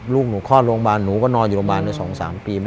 ลูกหนูคลอดโรงพยาบาลหนูก็นอนอยู่โรงพยาบาลใน๒๓ปี